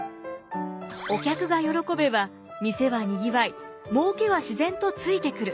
お客が喜べば店は賑わいもうけは自然とついてくる。